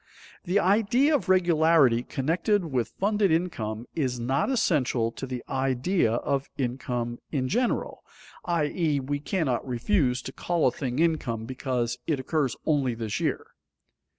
The idea of regularity connected with funded income is not essential to the idea of income in general, i.e., we cannot refuse to call a thing income because it occurs only this year.